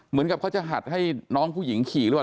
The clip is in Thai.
เหมือนกับเขาจะหัดให้น้องผู้หญิงขี่ด้วย